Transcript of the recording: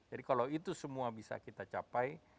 jadi kalau itu semua bisa kita capai